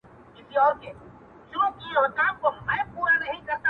د دېوال شا ته پراته دي څو غيرانه!.